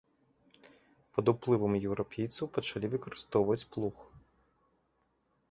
Пад уплывам еўрапейцаў пачалі выкарыстоўваць плуг.